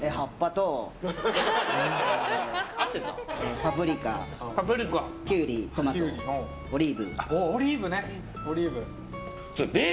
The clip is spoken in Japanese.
パプリカ、キュウリ、トマトオリーブ。